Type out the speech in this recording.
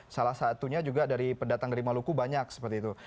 salah satunya juga dari pendatang dari maluku banyak seperti itu